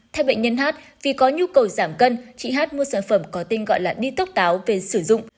theo bệnh nhân hát vì có nhu cầu giảm cân chị hát mua sản phẩm có tên gọi là detox táo về sử dụng